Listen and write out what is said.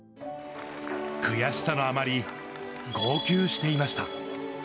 悔しさのあまり、号泣していました。